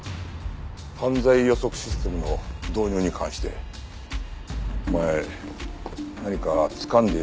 犯罪予測システムの導入に関してお前何かつかんでいるんじゃないのか？